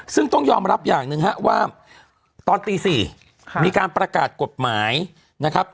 ซึ่งต้องยอมรับอย่างหนึ่งฮะว่าตอนตี๔มีการประกาศกฎหมายนะครับ